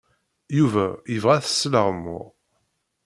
Yuba yebɣa ad t-sleɣmuɣ.